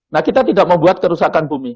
nah kita tidak membuat kerusakan bumi